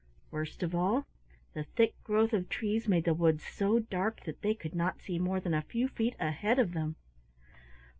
Worst of all the thick growth of trees made the wood so dark that they could not see more than a few feet ahead of them.